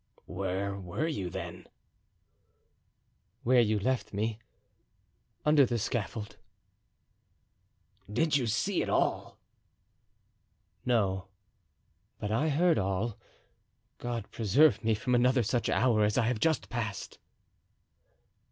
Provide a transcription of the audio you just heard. "Where were you, then?" "Where you left me—under the scaffold." "Did you see it all?" "No, but I heard all. God preserve me from another such hour as I have just passed."